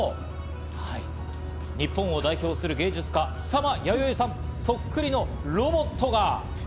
はい、日本を代表する芸術家・草間彌生さんそっくりのロボットが！